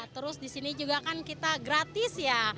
terus disini juga kan kita gratis ya